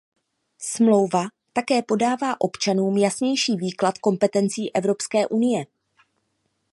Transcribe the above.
Smlouva také podává občanům jasnější výklad kompetencí Evropské unie.